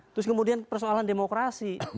terus kemudian persoalan demokrasi